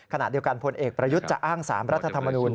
ขณะเดียวกันพลเอกประยุทธ์จะอ้าง๓รัฐธรรมนูล